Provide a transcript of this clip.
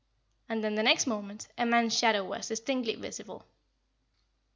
And then, the next moment, a man's shadow was distinctly visible.